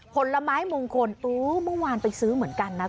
ผลไม้มงคลโอ้เมื่อวานไปซื้อเหมือนกันนะ